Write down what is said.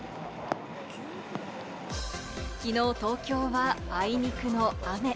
昨日、東京はあいにくの雨。